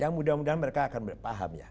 yang mudah mudahan mereka akan paham ya